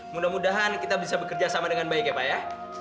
mudah mudahan kita bisa bekerja sama dengan baik ya pak ya